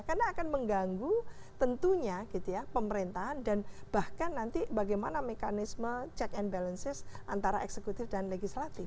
karena akan mengganggu tentunya pemerintahan dan bahkan nanti bagaimana mekanisme check and balances antara eksekutif dan legislatif